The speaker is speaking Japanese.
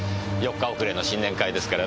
４日遅れの新年会ですからね。